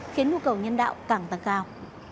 khiến mưu cầu nhân đạo càng tăng cao